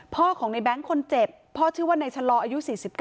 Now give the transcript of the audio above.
พ่อของในแง๊งคนเจ็บพ่อชื่อว่าในชะลออายุ๔๙